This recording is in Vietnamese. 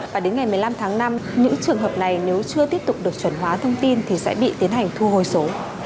và đến ngày một mươi năm tháng năm những trường hợp này nếu chưa tiếp tục được chuẩn hóa thông tin thì sẽ bị tiến hành thu hồi số